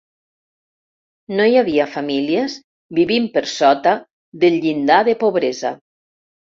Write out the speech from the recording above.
No hi havia famílies vivint per sota del llindar de pobresa.